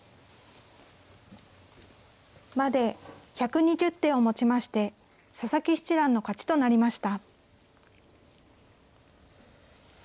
まで１２０手をもちまして佐々木七段の勝ちとなりました。